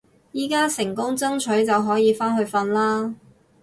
而家成功爭取就可以返去瞓啦